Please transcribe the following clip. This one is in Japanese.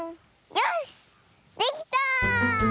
よしできた！